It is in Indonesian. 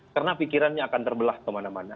karena pikirannya akan terbelah kemana mana